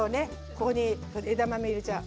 ここに枝豆入れちゃう。